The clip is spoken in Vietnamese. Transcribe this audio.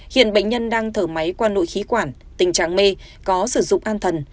hiện bệnh nhân đang thở máy qua nội khí quản tình trạng mê có sử dụng an thần